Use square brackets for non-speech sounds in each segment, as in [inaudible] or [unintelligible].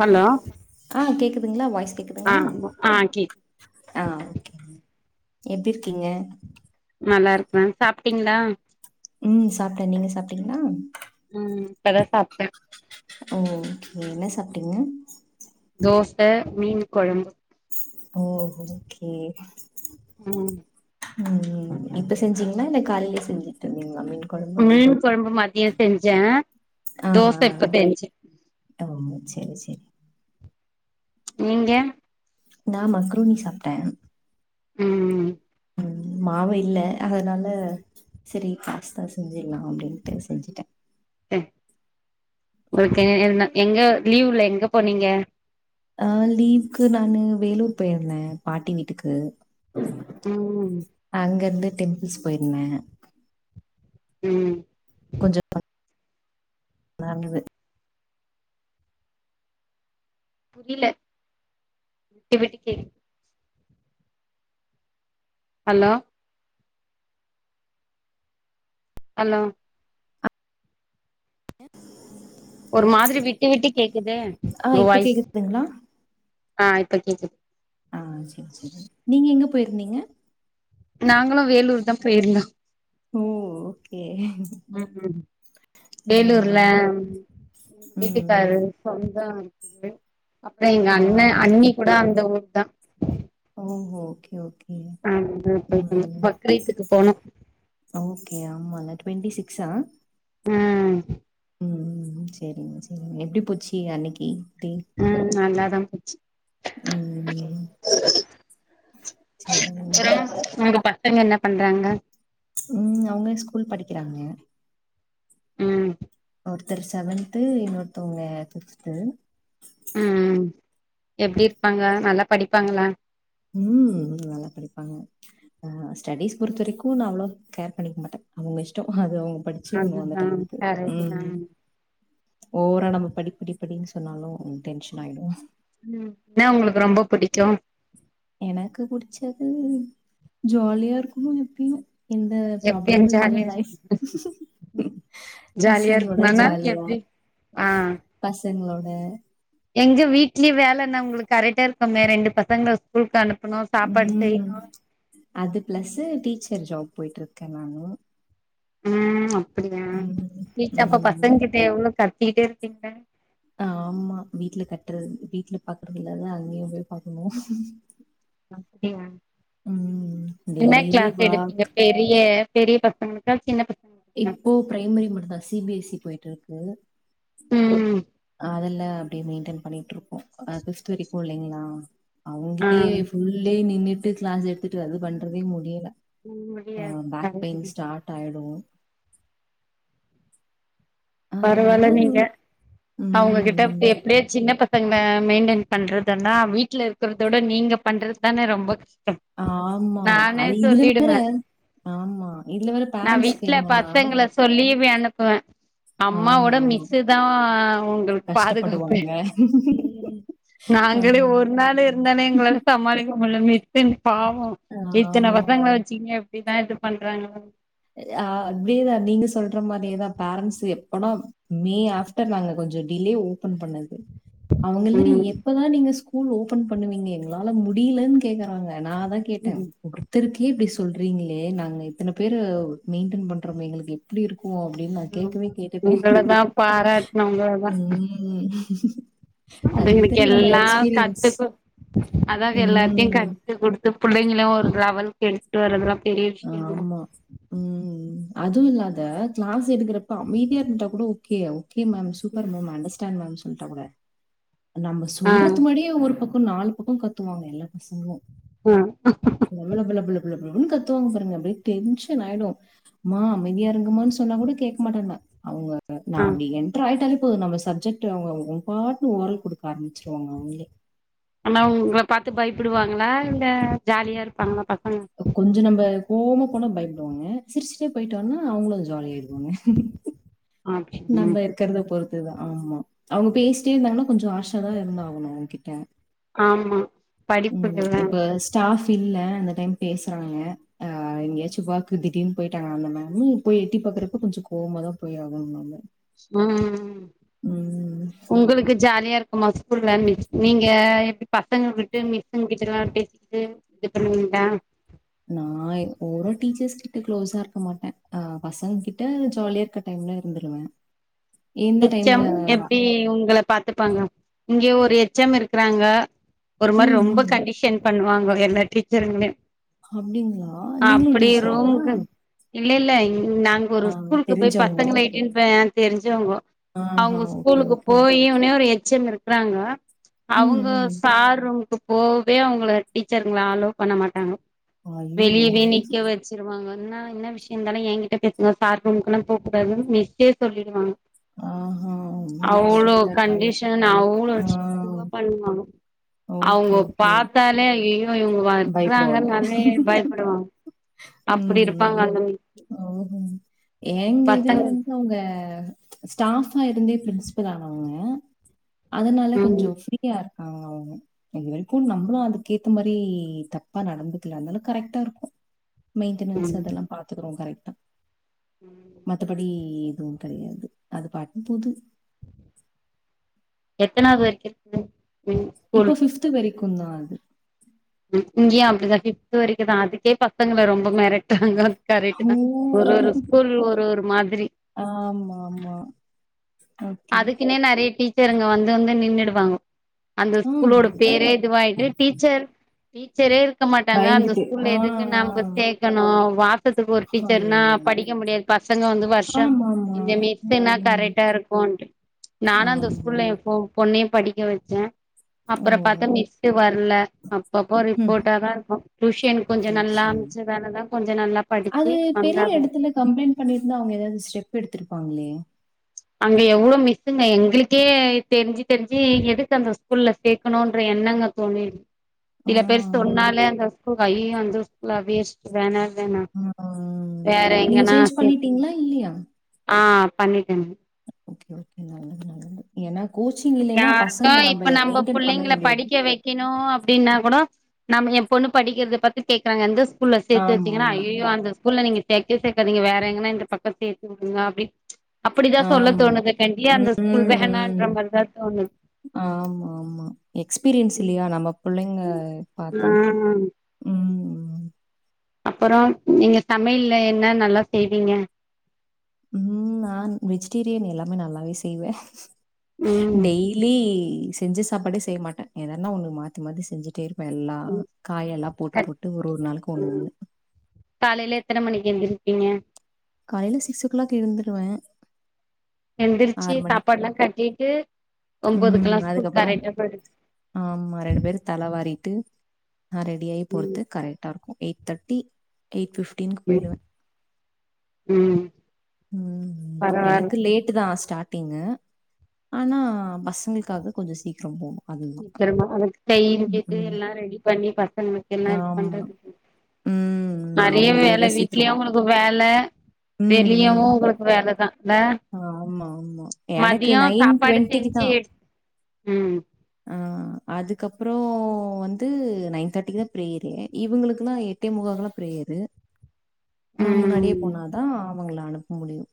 Hello ஆ கேக்குதுங்ளா voice ஆ கேக்குதுங்ளா ஆ கேக் ஆ ஓகேங்க எப்டி இருக்கீங்க நல்லா இருக்ற சாப்ட்டீங்களா ம் சாப்ட்ட நீங்க சாப்ட்டீங்ளா ம் இப்பதா சாப்ட்ட ஓகே என்ன சாப்ட்டீங்க தோச மீன் கொழம்பு ம் ஓகே ம் ம் ம் இப்ப செஞ்சீங்ளா இல்ல காலைல செஞ்சி டீங்ளா மீன் கொழம்பு மீன் கொழம்பு மதியோ செஞ்ச ஆ ஆ ம் சேரி சேரி நீங்க நா மக்ரூனி சாப்ட்ட ம் ம் மாவு இல்ல அதனால செரி பாஸ்த்தா செஞ்சிட்லா அப்டின்ட்டு செஞ்சுட்ட ம் ஓகே என்ன எங்க லீவ்ல எங்க போனீங்க ஆ லீவுக்கு நானு வேலூர் போயிருந்த பாட்டி வீட்டுக்கு ம் அங்க இருந்து டெம்பிள்ஸ் போயிருந்த ம் நல்லது புரில விட்டு விட்டு கேக்கு ஹலோ அலோ ஒரு மாதிரி விட்டு விட்டு கேக்குது ஆ உங்க இப்ப வாயஸ் கேக்குதுங்களா ஆ இப்ப கேக்குது ஆ சேரி சேரி நீங்க எங்க போயிருந்தீங்க நாங்களு வேலூர் தா போயிருந்தோ ம் ஓகே ம்ம் வேலூர்ல ம் ம் வீட்டுக்காரு சொந்த இருக்குது அப்பறோ எங்க ஆ அண்ண அண்ணி கூட அந்த ஊர் தா ஓ ஓகே ஓகே ஆமா போட்டு வந்தோ ம் பக்கீத்துக்கு போனோ ஓகே ஆமால ட்வெண்ட்டி சிக்ஸ் ஆ ம் ம் செரிங்க செரிங்க எப்பிடி போச்சி அன்னெக்கி தீன் ம் நல்லாதா போச்சு ம் ம் ம் ம் சேரிங் அப்றோ உங்க பசங்க என்ன பண்றாங்க ம் அவ்ங்க ஸ்கூல் படிக்கெறாங்க ம் ஒருத்தர் சவன்த்து இன்னொருத்தவ்ங்க ஃபிப்த்து ம் ம் ம் ம் எப்டி இருப்பாங்க நல்லா படிப்பாங்களா ம் நல்லா படிப்பாங்க ஆ ஸ்டடீஸ் பொறுத்த வரக்கு நா அவ்ளோ கேர் பண்ணிக்க மாட்ட அவ்ங்க இஷ்டொ அது அவ்ங் படிச்சிர்னு அந்த அதுதா டைம்க்கு கரெக்ட் தா ம் ஓவரா நம்ம படி படி படின்னு சொன்னாலு டென்ஷன் ஆயிடு ம் என்ன உங்களுக்கு ரொம்ப புடிக்கு எனக்கு புடுச்சது ஜாலியா இருக்கணு எப்பெயு எந்த எப்பயு ப்ராப்ளமு இல்ல ஜாலியா லைஃப் ஜாலியா பசங்களோட இருக்கணுனா ஜாலியா எப்டி ஆ பசங்களோட எங்க வீட்லயே வேல என்ன உங்களுக்கு கரெக்டா இருக்குமே ரெண்டு பசங்கல ஸ்கூலுக்கு அனுப்பணு சாப்பாடு ம் செய்யணு அது ப்ளஸு டீச்சர் ஜாப் போய்ட்டு இருக்க நானு ம் அப்பிடியா ம் டீச் அப்ப ம் பசங்ககிட்ட எவ்ளோ கத்திட்டே இருப்பீங்கள ஆமா வீட்ல கத்றது வீட்ல பாக்குறது இல்லாத அங்கயு போய் பாக்கணு அப்பிடியா என்ன டெய்லி க்ளாஸ் எடுப்பீங்க வாக் பெரிய பெரிய பசங்களுக்கா சின்ன பச இப்போ ப்ரைமரி மட்டுதா சீ பி எஸ் சீ போய்ட்டு இருக்கு ம் அதுல்லா அப்டியே மெய்ன்டன் பண்ணிட்டு இருக்கோ அதிஸ்ட்டு ஹிப்போ இல்லெங்களா ஆ அவ்ங்கிட்டயே ஃபுல் டே நின்னுட்டு க்ளாஸ் எடுத்துட்டு அது பண்றதே முடில அ முடியாது பேக் கரெக்ட். பெய்ன் ஸ்டார்ட் ஆய்டு அதனால பரவால நீங்க அவ்ங்ககிட்ட ம் அப்பிடியே சின்ன பசங்க மெய்ன்டென் பண்றதுன்னா வீட்ல க்கறதோட நீங்க பண்றது தான ரொம்ப ஆமா நானே அது இதுலன் வேற சொல்லிடுவே ஆமா இதுல வேற நா பேரன்ஸ்க்கு வீட்ல என்னன்னா பசங்கள சொல்லிவே அனுப்புவே ஆமா அம்மாவோட ஆமா மிஸ்ஸு தா உங்களுக்கு பாதுகாப்பு கஷ்டப்படுவாங்க நாங்களே ஆமா ஒரு நாளு இருந்தாலே எங்களால சமாலிக்க முட்ல மிஸ்ஸு எ பாவோ எத்தன ஆமா பசங்க வெச்சீங்க எப்டிதா இது பண்றாங்களோ ஆ அப்டீதா நீங்க சொல்ற மாரியேதா பேரன்ஸ்ஸு எப்பனா மே ஆஃப்டர் நாங்க கொஞ்சொ டிலே ஓபன் பண்ணது அவ்ங்கில்ல டீ ம் எப்பதா நீங்க சு ஸ்கூல் ஓபன் பண்ணுவீங்க எங்களால முடியில்லன்னு கேக்குறாங்க நாந்தா கேட்ட ஒருத்தருக்கே இப்டி சொல்றீங்களே நாங்க இத்தன பேர மெயின்டென் பண்றோமே எங்களுக்கு எப்டி இருக்கு அப்டின்னு நா கேக்கவே ஆமா கேட்டுட்டே உங்களதா பாராட்னு உங்களதா உம் அ அதுங்களுக்கு எல்லா கத்து கு அதாங்க எல்லாத்தயு ம். கத்து குடுத் து புள்ளைங்களு ஒரு லெவலுக்கு எடுத்துட்டு வரதுல்லா பெரிய விஷ்ய [unintelligible] அதுவு இல்லாத கிளாஸ் எடுக்கறப்ப அமைதியா இருந்துட்டா கூட ஓகே ஓகே மேம் சூப்பர் ம் மேம் அண்டர்ஸ்டான்ட் மேம் சொல்ட்டாங்க நம்ம ஆ சொல்றது முன்னாடியே ஒரு பக்கம் நாலு பக்கம் கத்துவாங்க எல்லா பசங்களும் ஆ லபலப லப லப னு கத் து வாங்க பாருங்க அப்டியே டென்ஷன் ஆயிடும் அம்மா அமைதியா இருங்கமா சொன்னா கூட கேக்க மாட்டாங்க அவங்க நா ஆ ஆ அப்டி என்டர் ஆயிட்டாலே போது நம்ம சப்ஜெக்ட் அவங்க உம்பாட்டு ஓரல் குடுக்க ஆரம்பிச்சிருவாங்க அவங்களே ஆனா உங்கள பாத்து பயப்படுவாங்களா இல்ல ஜாலியா இருப்பாங்களா பசங்க கொஞ்ச நம்ம கோவமா போனா பயப்படுவாங்க சிரிச்சுட்டே போயிட்டாங்கன்னா அவங்களு ஜாலிய ஆயிடுவாங்க அப்டியா நம்ப இர் க்கிறத பொறுத்துதா ஆமா அவங்க பேசிட்டே இருந்தாங்கன்னா கொஞ்சொ ஹார்ஷா தா இருந்து ஆகணு அவங்ககிட்ட ஆமா ம் படிப்புக்குதா இப்ப ஸ்டாஃப் இல்ல அந்த டைம் பேசுறாங்க ஆ எங்காய்ச்சு ஒர்க் திடீர்னு போயிட்டாங்க அந்த மேம் போய் எட்டிப்பாக்குறப்ப கொஞ்சொ கோவமா தா போய் ஆகனும் நாம ம் ம். உங்களுக்கு ஜாலியா இரு க்குமா ஸ்கூல் வேல்யூ நீங்க எப்டி பசங்க விட்டு மிஸ்ஸூங்கிட் டலா பேசிக்கிட்டு இது பண்ணுவீங்கலா நா ஒரு டீச்சர்ஸ் கிட்ட க்ளோஸா இருக்க மாட்டே ஆ பசங்க கிட்ட ஜாலியா இருக்கட் டைம்லா இருந்துடுவே எச் எம் எப்டி உங்கள பாத்துப்பாங்க இங்க ஒரு எச் எம் இருக்கறாங்க ஒரு மாரி ம், ரொம்ப ம். கண்டிஷன் பண்ணுவாங்க எல்ல டீச்சருங்களயு அப்டிங்களா நீங்களு டீச்சரா இல்லல்ல நாங்க ஒரு ஆ ஸ்கூலுக்கு போய் தெரிஞ்சவங்க. பசங்கள எட்டின் தெரிஞ்சவங்கோ ஆஹா. அவங்க ஓகே, ஸ்கூலுக்கு ஓகே. போயுனே ஒரு எச் எம் இருக்கிறாங்க ம், அவுங்க ம். சார் ரூம்க்கு போவே அவங்கள டீச்சருங்கள அலோ பண்ண மாட்டாங்க அய்யய்யோ! வெளியவே நிக்க வ ச்சுருவாங்க என்ன என்ன விஷ்ய இருந்தாலு ஏங்கிட்ட பேசுங்க சார் ரூம்கல்லா போக்கூடாதுன்னு மிஸ்ஸே சொல்லிடுவாங்க ஆ ஹா அவ்ளோ கண்டிஷன் அவ்ளோ ஆ இதுவா பண்ணுவாங்க ஓகே, அவுங்க ஓகே. பாத்தாலே ஐய்யய்யோ இவுங்க பயப்படுவாங்க. வர்ராங்கனாலே பயப்படுவாங்க அப்படி இருப்பாங்க ம் அந்த ஓ எங்க இதுல பசங்க வந்து அவங்க ஸ்டாஃபா இருந்தே பிரின்சிபல் ஆனவங்க அதுனால ம் கொஞ்ச ஃப்ரீயா இருப்பாங்க அவுங்க இது வரைக்கு நம்மளும் அதுக்கு ஏத்த மாரி தப்பா நடந்துக்கல அதுனால கரெக்டா இருக்கும் மெயின்டெனன்ஸ் ம் அதெல்லா பாத்துக்குறோ கரெக்டா ம் மத்தபடி எதுவு கெடையாது அது பாட்னு போது எத்தனாவது வரைக்கு இருக்கு ம் ஸ்கூல் இப்ப பிஃப்து வரைக்கும் தா அது ம்க்கு இங்கயு அப்டிதா ஃபிஃப்த் வரைக்குதா அதுக்கே பசங்கள ரொம்ப மிரட்டாங்க கரெக்டட் ஓ! தா ஒரு ஒரு ஸ்கூல் ஒரு ஒரு மாதிரி ஆமா மா அதுக்குன்னே நெறய டீச்சருங்க வந்து வந்து நின்றுடுவாங்க அந்த ஆ. ஸ்கூலோட பேரே இதுவாயிட்டு டீச்சர் டீச்சரே இருக்க மாட்டாங்க அந்த பயந்துட்டு. ஆ, ஸ்கூல்ல எதுக்கு நமக்கு சேக்கணு வா த்துக்கு ஒரு ஆ. டீச்சர்னா ஐயையோ! படிக்க முடியாது பசங்க வந்து வருஷ ஆமாமா. இந்த மிஸ்னா ம். கரெக்டா இருக்கு நானு அந்த ஆமா. ஸ்கூல்ல எ பொண்ணே படிக்க வச்ச ஓ! அப்பற பாத்தா மிஸ்சு வரல அப்பப்போ ம். ரிப்போர்டாதா இருக்கு டியூஷன் கொஞ்சோ நல்லா அச்சச்சோ! பச்சதாலதா கொஞ்சோ நல்லா படிச்சு வந்தாங்க கம்ளைண்ட் பண்ணிருந்தா அவங்க எதாவது ஸ்டெப் எடுத்துருப்பாங்களே அங்க எவ்ளோ மிஸ்ஸுங்க எங்களுக்கே தெரிஞ்சு தெரிஞ்சு எதுக்கு அந்த ஸ்கூல்ல சேக்கணும்ன்ற எண்ணங்க தோணிர்க் ஆ, சில பேரு சொன்னாலே அந்த ஸ்கூல் ஐயயோ அந்த ஸ்கூலா வேஸ்ட் வேணா வேணா ஆ. ம். வேற நீங்க எங்கன்னா சேஞ்ச் சேத்து உட் பண்ணிட்டீங்களா? இல்லையா? ஆ பண்ணிட்டங்க ஏன்னா கோச்சிங் இல்லன்னா யாருக்கோ பசங்கள நம்ம மெயின்டென் பண்ணவே முடியாது வக்கணு அப்டின்னா கூட நம்ம எ பொண்ணு படிக்கறத பத்தி கேக்குறாங்க எந்த ஸ்கூல்ல சேத்து வச்சிங்கன்னா ஆமாமா. ஐயயோ அந்த ஸ்கூல்ல நீங்க சேக்கவே சேக்காதீங்க வேற எங்கன்னா இந்த பக்க சேத்து விடுங்க அப்டின்னு அப்டிதா சொல்ல ஆம். தோணுது கண்டி ம், அந்த ஸ்கூல் வேணான்ற மாரிதா தோணுது ஆமா ஆமா எக்ஸ்பீரியன்ஸ் இல்லயா நம்ம புள்ளைங்க பாத் ஆ ம் அப்பற நீங்க சமையல்ல என்ன நல்லா செய்வீங்க ம் நான் வெஜிடேரியன் எல்லாமே நல்லாவே செய்வ ம் டெய்லி செஞ்ச சாப்பாடே செய்ய மாட்ட எதன்னா ஒன்னு மாத்தி மாத்தி செஞ்சுட்டே இரு வெள்ளா காய்ல்லா போட்டு போட்டு ஒரு ஒரு நாளைக்கு ஒன்னு ஒன்னு. காலைல எத்தன மணிக்கு எந்திருப்பீங்க காலைல சிக்ஸ் ஓ கிளாக் எழுந்துடுவ எந்திரிச்சி சாப்பாடுல்லா கட்டிட்டு ஒன்பதுக்குலா ம், ஸ்கூல் அதுக்கப்புறம் கரக்ட்டா போய்டு ஆமா ரெண்டு பேரு தலைவாரிட்டு நா ரெடியாயி ம் பொறத்து கரெக்ட் டா இருக்கு எயிட் தேர்ட்டி எய்ட்ஃபிஃப்டின்க்கு ம் போய்டுவ ம் ம் பரவால்ல எனக்கு லேட்டு தா ஸ்டார்ட் டிங்கு ஆனா பசங்களுக்காக கொஞ்சோ சீக்கிர போணு சீக்கிரமா அவங்களுக்கு செய்ஞ்சுட்டு எல்லா ரெடி பண்ணி பசங்களுக்கு எல்லா இது ஆமா. பண்றதுக்கு ம், ம். மரிய அவங்களுக்காக வேல தான் சீக்கிரம். வீட்லயு உங்களுக்கு வேல ம், வெளியவு ம். உங்களுக்கு வேலதா இல்ல ஆமா ஆமா எனக்கு மதியோ நைன் சாப்பாடு டுவெண்டிக்கு தா செஞ்சு ம் ஆ அதுக்கப்றோ வந்து நைன் தேர்டி தா பிரேயரு இவங்களுக்குல்லா எ எட்டே முக்காக்குலா பிரேயரு நான் முன்னாடியே ம் போனாதா அவங்கள அனுப்ப முடியு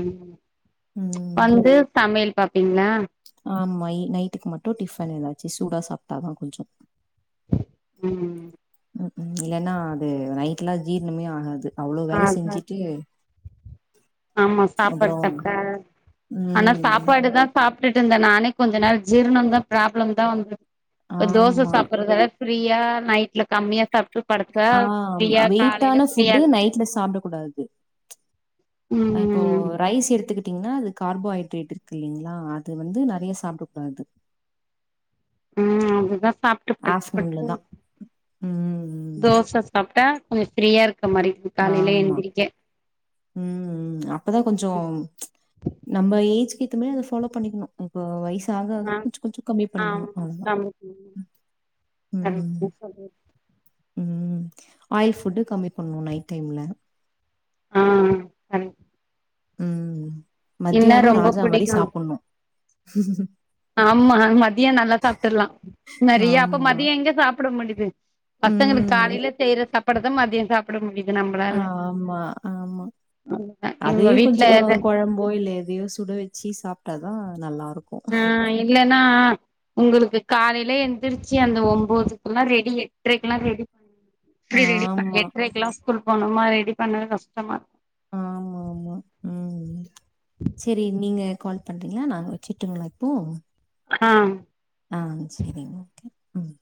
ம் ம். வந்து சமையல் பாப்பீங்ளா ஆமா நைட்டுக்கு மட்டு டிஃபன் எதாச்சு சூடா சாப்ட்டாதா கொஞ்சோ ம் ம்க்கு இல்லனா அது நைட்லா ஜீரணமே ஆகாது அவ்ளோ வேல அதா செஞ்சுட்டு ஆமா சாப்பாட் அப்புறம் தக்க ஆனா ம். சாப்பாடு தா சாப்டிட்டுட்டு இருந்தே நானே கொஞ்ச நேரம் ஜீர்ணம் தா ப்ராப்ளம் தா [unintelligible] தோசை ஆமா. சாப்பிட்டுறத ஃப்ரீயா நைட்ல கம்மியா சாப்ட்டு படுத்தா ஆ ஃப்ரீயா காலையில வெயிட்டான புட் ஃப்ரீயா நைட்ல சாப்டக் கூடாது ப்ச் அ இப்போ ம் ரைஸ் எடுத்துக்கிட்டீங்கனா அதுக் கார்போஹைட்ரேட் இருக் இல்லிங்களா அது வந்து நெறைய சாப்டக் கூடாது ம் அதுதா சாப் ஆஃப்ட்னூன்ல தா [unintelligible] உம் தோச சாப்ட்டா கொஞ்சோ ஃப்ரீயா இருக்க மாரி [inaudible] ஆமா எந்திரிக்க உம் அப்பதா கொஞ்சோ ப்ச் நம்ம ஏஜ்க்கு ஏத்தே மாரி அத ஃபாலோ பண்ணிக்கணு இப்ப வயசு சாக ஆ கொஞ்சோ கொஞ்சோ கம்மி பண்ணிக்கணு அவ்ளோதா ஆமா [inaudible] உம் ஆயில் ஃபுட்டு கம்மி பண்ணு நைட் டைம்ல ஆ ஆ கரெக் ம் என்ன மத்யானோ ரொம்ப ராஜா மாரி புடிக்கு சாப்புட்னு ஆம்மா மதியோ நல்லா சாப்டர்லா நெறயா அப்ப ஆமா. மதியோ எங்க சாப்ட முடிது பஸ்சங்களுக்கு காலேல செய்ற சாப்பாடுதா மதியோ சாப் ஆம்மா ஆமா அதுதா இவுங்க அதையு வீட்ல கொஞ்சோ கொழம்போ இல்ல எதையோ சுட வெச்சி சாப்ட்டாதா நல்லாருக் ஆ இல்லனா ஒங்களுக்கு காலையில எந்திரிச்சு அந்த ஒம்பதுக்குலா ரெடி எட்ரைக்குலா ரெடி [inaudible] ரெடி பண் ஆமா எட்ரைக்கெலா ஸ்கூலு போனுமா ரெடி பண்ணவே கஷ்டமா இருக் ஆம்மா ஆமா உம் சேரி நீங்க கால் பண்றீங்ளா நாங் வெச்சுட்டுங்ளா இப்போ ஆ ஆ சேரிங் ஓகே ம்